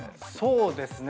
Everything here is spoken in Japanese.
◆そうですね。